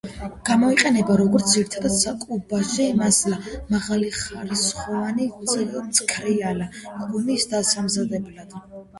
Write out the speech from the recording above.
გამოიყენება როგორც ძირითადი საკუპაჟე მასალა მაღალხარისხოვანი ცქრიალა ღვინის დასამზადებლად.